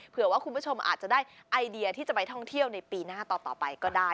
เผื่อว่าคุณผู้ชมอาจจะได้ไอเดียที่จะไปท่องเที่ยวในปีหน้าต่อไปก็ได้